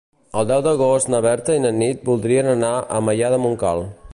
El deu d'agost na Berta i na Nit voldrien anar a Maià de Montcal.